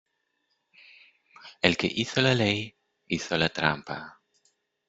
El que hizo la ley hizo la trampa.